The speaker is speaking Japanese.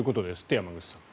山口さん。